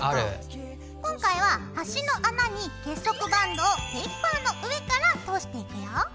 今回は端の穴に結束バンドをフェイクファーの上から通していくよ。